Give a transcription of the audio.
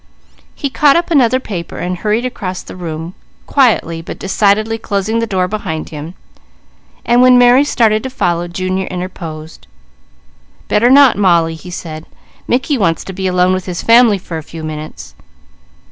He caught up another paper, and hurried across the room, quietly but decidedly closing the door behind him, so when Mary started to follow, Junior interposed. "Better not, Molly," he said. "Mickey wants to be alone with his family for a few minutes.